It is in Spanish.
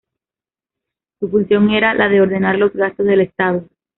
Su función era la de ordenar los gastos del Estado.